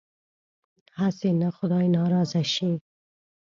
هسې نه خدای ناراضه شي.